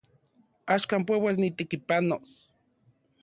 Axkan peuas nitekipanos.